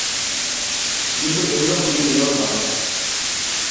কিন্তু এগুলো খুবই বিরল ঘটনা।